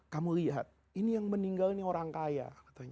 kamu lihat ini yang meninggal ini orang kaya